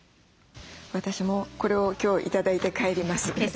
私もこれを今日頂いて帰ります。